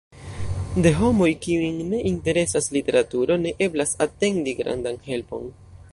De homoj, kiujn ne interesas literaturo, ne eblas atendi grandan helpon.